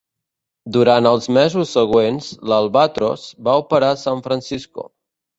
Durant els mesos següents, l'"Albatross" va operar a San Francisco.